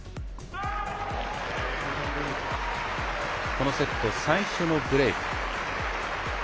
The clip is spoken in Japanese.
このセット、最初のブレーク。